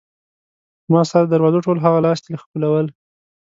ما ستا د دروازو ټول هغه لاستي ښکلول.